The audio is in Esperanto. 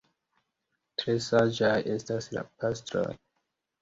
Tre saĝaj estas la pastroj!